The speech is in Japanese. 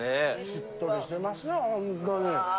しっとりしてますよ、本当に。